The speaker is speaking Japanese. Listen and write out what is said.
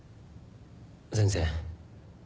全然。